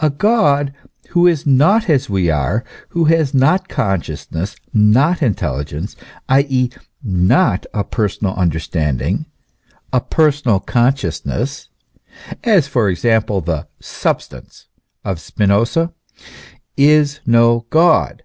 A. God who is not as we are, who has not consciousness, not intelligence, i.e., not a personal understanding, a personal consciousness, (as, for example, the "substance" of Spinoza,) is no God.